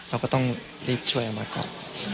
เราก็ต้องรีบช่วยออกมาก่อน